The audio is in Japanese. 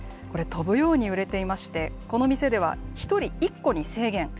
これ、飛ぶように売れていまして、この店では１人１個に制限。